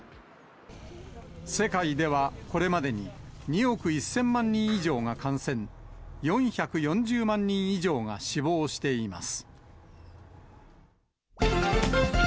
世界ではこれまでに２億１０００万人以上が感染、４４０万人以上が死亡しています。